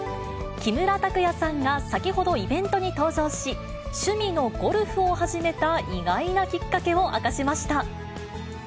木村拓哉さんが先ほどイベントに登場し、趣味のゴルフを始めた、意外なきっかけを明かしました。